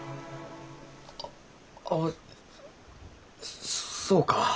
ああそうか。